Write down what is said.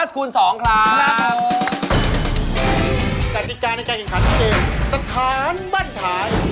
สถานบั้นท้าย